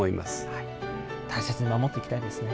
大切に守っていきたいですね。